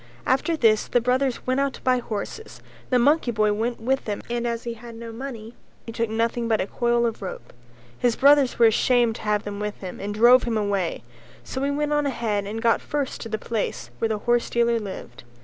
After this the brothers went out to buy horses, and the monkey boy went with them and as he had no money he took nothing but a coil of rope; his brothers were ashamed to have him with them and drove him away, so he went on ahead and got first to the place where the horsedealer lived.